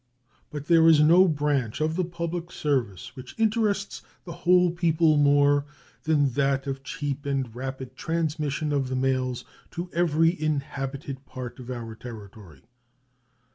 But there is no branch of the public service which interests the whole people more than that of cheap and rapid transmission of the mails to every inhabited part of our territory.